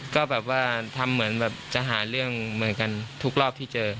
ก็ทำเหมือนจะหาเรื่องเหมือนกันทุกรอบที่เจอ